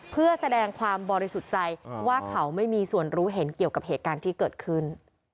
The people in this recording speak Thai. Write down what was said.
เพื่อแสดงความบริสุทธิ์ใจว่าเขาไม่มีส่วนรู้เห็นเกี่ยวกับเหตุการณ์ที่เกิดขึ้น